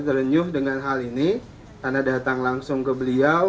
terenyuh dengan hal ini karena datang langsung ke beliau